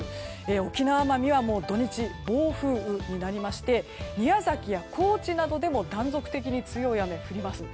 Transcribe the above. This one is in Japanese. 沖縄は土日暴風雨になりまして宮崎や高知などでも断続的に強い雨が降ります。